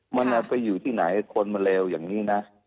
มันเอาไปอยู่ที่ไหนคนมันเลวอย่างนี้นะ